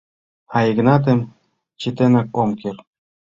А Йыгнатым чытенак ом керт!